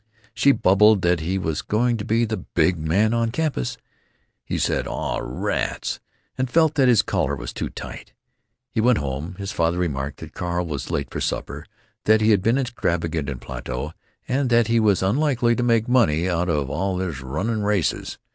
She bubbled that he was going to be the Big Man in his class. He said, "Aw, rats!" and felt that his collar was too tight.... He went home. His father remarked that Carl was late for supper, that he had been extravagant in Plato, and that he was unlikely to make money out of "all this runnin' races."